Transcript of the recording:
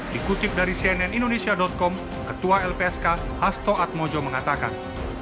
dikutip dari cnn indonesia com ketua lpsk hasto atmojo mengatakan